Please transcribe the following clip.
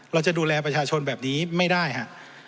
เราจะดูแลประชาชนแบบนี้ไม่ได้ฮะ